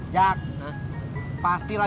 ya makasih ya